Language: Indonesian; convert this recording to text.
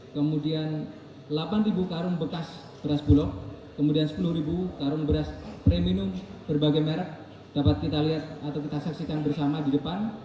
kemudian delapan karung bekas beras bulog kemudian sepuluh karung beras premium berbagai merek dapat kita lihat atau kita saksikan bersama di depan